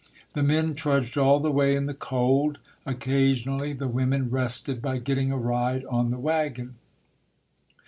The men trudged all the way in the cold. Occasionally the women rested by getting a ride on the wagon.